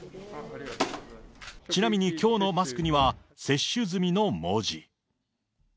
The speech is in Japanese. ちなみにきょうのマスクには、接種済みの文字。